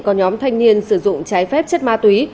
có nhóm thanh niên sử dụng trái phép chất ma túy